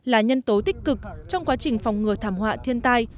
là nhân tố tích cực trong quá trình phòng ngừa thảm họa thiên tai